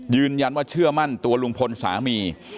ยืนยันว่าเชื่อมั่นตัวลุงพลสามี